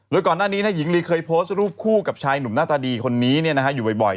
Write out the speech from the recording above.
โดยก่อนหน้านี้หญิงลีเคยโพสต์รูปคู่กับชายหนุ่มหน้าตาดีคนนี้อยู่บ่อย